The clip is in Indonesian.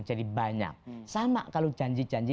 jadi banyak sama kalau janji janji